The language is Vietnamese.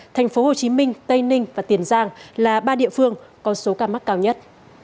thành phố hồ chí minh tây ninh và tiền giang là ba địa phương có số ca mắc cao nhất